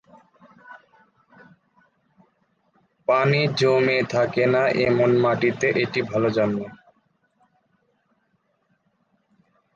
পানি জমে থাকেনা এমন মাটিতে এটি ভাল জন্মে।